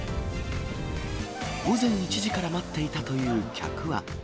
午前１時から待っていたという客は。